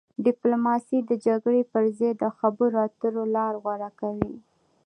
ډیپلوماسي د جګړې پر ځای د خبرو اترو لاره غوره کوي.